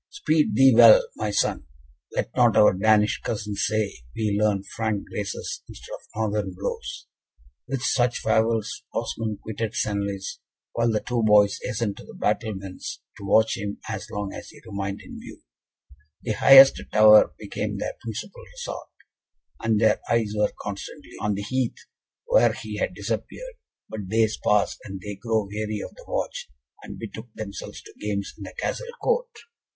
"Speed thee well, my son let not our Danish cousins say we learn Frank graces instead of Northern blows." With such farewells, Osmond quitted Senlis, while the two boys hastened to the battlements to watch him as long as he remained in view. The highest tower became their principal resort, and their eyes were constantly on the heath where he had disappeared; but days passed, and they grew weary of the watch, and betook themselves to games in the Castle court.